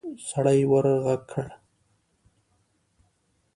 سړي ورغږ کړ.